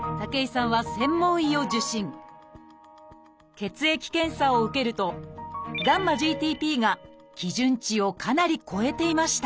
血液検査を受けるとγ−ＧＴＰが基準値をかなり超えていました